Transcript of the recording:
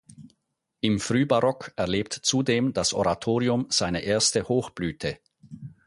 Im Frühbarock erlebt zudem das Oratorium seine erste Hochblüte.